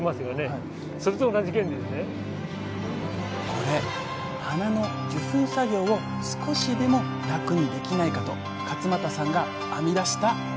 これ花の受粉作業を少しでも楽にできないかと勝間田さんが編み出した裏ワザ。